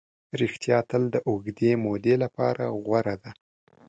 ریښتیا تل د اوږدې مودې لپاره غوره ده.